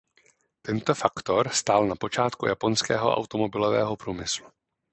Tento faktor stál na počátku japonského automobilového průmyslu.